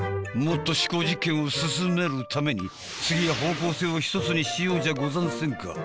もっと思考実験を進めるために次は方向性を１つにしようじゃござんせんか。